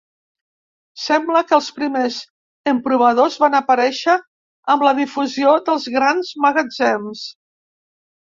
Sembla que els primers emprovadors van aparèixer amb la difusió dels grans magatzems.